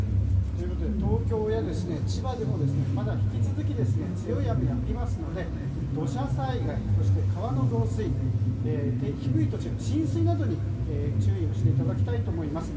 ということで東京や千葉でもまだ引き続き強い雨が降りますので土砂災害、そして川の増水低い土地の浸水などに注意をしていただきたいと思います。